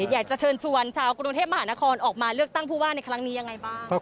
อยากจะเชิญชวนชาวกรุงเทพมหานครออกมาเลือกตั้งผู้ว่าในครั้งนี้ยังไงบ้าง